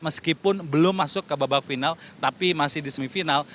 meskipun belum masuk ke babak final tapi masih di semifinal